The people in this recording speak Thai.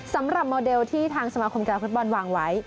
สำหรับโมเดลที่ทางสมาคมกีฬาฟุตบอลวางไว้